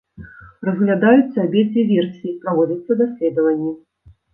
Разглядаюцца абедзве версіі, праводзяцца даследаванні.